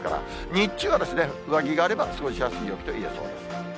日中は、上着があれば過ごしやすい陽気といえそうです。